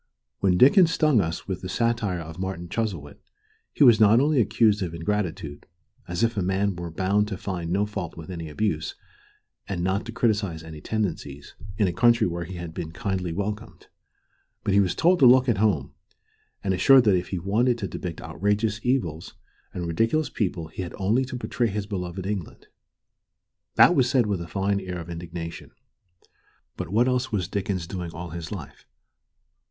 When Dickens stung us with the satire of Martin Chuzzlewit, he was not only accused of ingratitude as if a man were bound to find no fault with any abuse, and not to criticise any tendency, in a country where he had been kindly welcomed but he was told to look at home, and assured that if he wanted to depict outrageous evils and ridiculous people he had only to portray his beloved England. That was said with a fine air of indignation. But what else was Dickens doing all his life?